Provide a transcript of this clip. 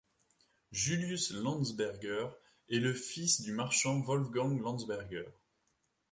Julius Landsberger est le fils du marchand Wolfgang Landsberger.